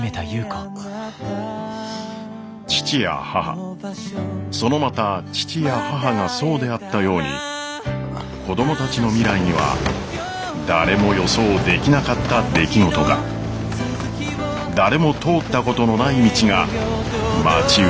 父や母そのまた父や母がそうであったように子供たちの未来には誰も予想できなかった出来事が誰も通ったことのない道が待ち受けています。